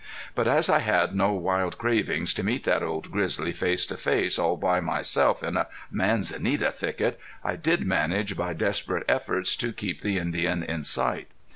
But as I had no wild cravings to meet that old grizzly face to face all by myself in a manzanita thicket I did manage by desperate efforts to keep the Indian in sight.